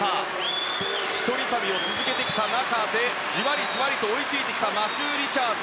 １人旅を続けてきた中でじわりじわりと追い付いてきたマシュー・リチャーズ。